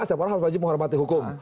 setiap orang harus wajib menghormati hukum